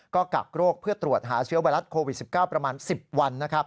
ก็กักโรคเพื่อตรวจหาเชื้อไวรัสโควิด๑๙ประมาณ๑๐วัน